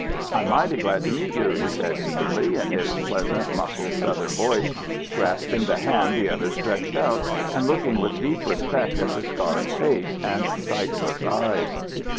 "I'm mighty glad to meet you," he said eagerly, in his pleasant, muffled Southern voice, grasping the hand the other stretched out, and looking with deep respect at the scarred face and sightless eyes.